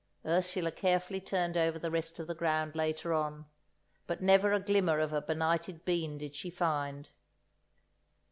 Ursula carefully turned over the rest of the ground later on, but never a glimmer of a benighted bean did she find.